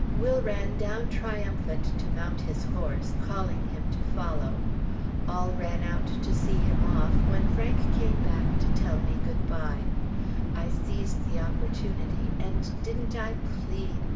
Will ran down triumphant to mount his horse, calling him to follow. All ran out to see him off, when Frank came back to tell me good bye. I seized the opportunity, and didn't I plead!